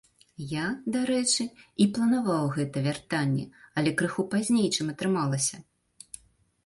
Я, дарэчы, і планаваў гэта вяртанне, але крыху пазней, чым атрымалася.